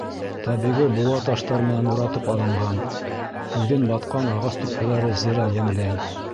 Тәбиғи быуа таштар менән уратып алынған, үҙен батҡан ағас төпһәләре зерә йәмләй.